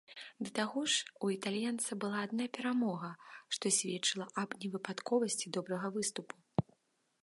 Да таго ж, у італьянца была адна перамога, што сведчыла аб невыпадковасці добрага выступу.